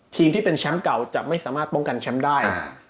ที่เป็นแชมป์เก่าจะไม่สามารถป้องกันแชมป์ได้